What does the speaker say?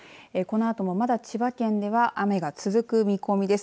このあともまだ千葉県では雨が続く見込みです。